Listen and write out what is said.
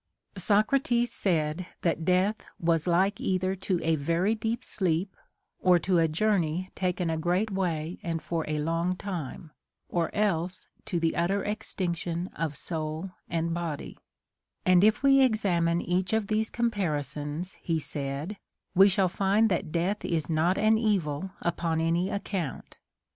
Socrates said that death Avas like either to a very deep sleep, or to a journey taken a great way and for a long time, or else to the utter extinction of soul and body ; and if we examine each of these comparisons, he said, we sliall find that death is not an evil upon any account.